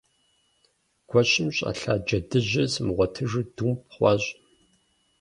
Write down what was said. Гуэщым щӀэлъа джыдэжьыр сымыгъуэтыжу думп хъуащ.